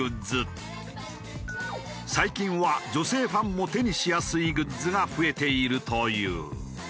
最近は女性ファンも手にしやすいグッズが増えているという。